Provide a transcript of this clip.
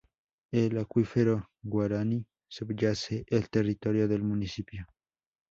El acuífero guaraní subyace el territorio del municipio.